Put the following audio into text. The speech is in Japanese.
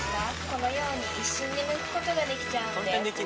このように一瞬でむくことができるんです。